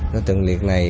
đối tượng liệt này